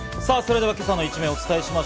今朝の一面をお伝えします。